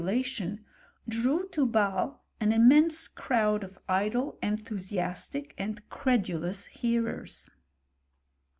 lation, drew to Bslle an immense crowd of idle, enthu siastic, and credulous hearers.